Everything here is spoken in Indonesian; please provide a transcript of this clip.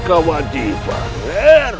kau harus berhenti